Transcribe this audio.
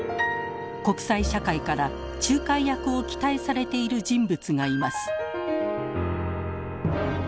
国際社会から仲介役を期待されている人物がいます。